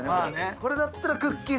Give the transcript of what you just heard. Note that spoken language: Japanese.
これだったらくっきー！